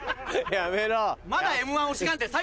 やめろ！